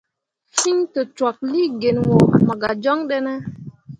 Fîi tokcwaklii gin wo mo gah joŋ ɗene ?